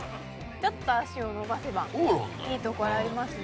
ちょっと足を延ばせばいいところありますね。